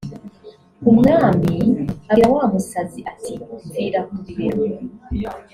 Umwami abwira wa musazi ati “Mvira ku bibero”